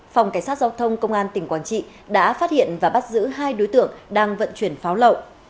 phòng cảnh sát giao thông công an tỉnh quảng trị đã phát hiện và bắt giữ hai đối tượng đang vận chuyển pháo lậu